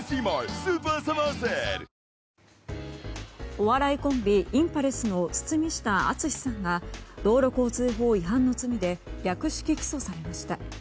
お笑いコンビインパルスの堤下敦さんが道路交通法違反の罪で略式起訴されました。